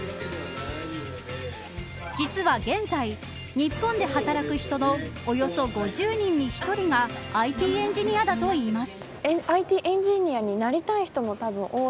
実は現在日本で働く人のおよそ５０人に１人がＩＴエンジニアだといいます。